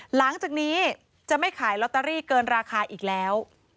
หลังจากนี้จะไม่ขายลอตเตอรี่เกินราคาอีกแล้ว